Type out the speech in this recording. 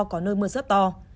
có nơi mưa rất to